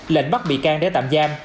lệnh bắt bị can để tạm giam